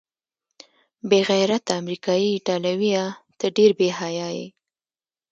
بې غیرته امریکايي ایټالویه، ته ډېر بې حیا یې.